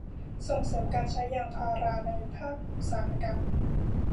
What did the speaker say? ส่งเสริมการใช้ยางพาราในภาคอุตสาหกรรม